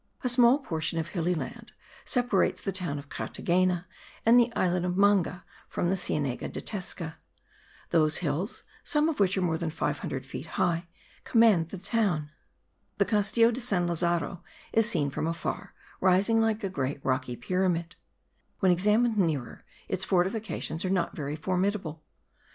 A small portion of hilly land separates the town of Carthagena and the islet of Manga from the Cienega de Tesca. Those hills, some of which are more than 500 feet high, command the town. The Castillo de San Lazaro is seen from afar rising like a great rocky pyramid; when examined nearer its fortifications are not very formidable.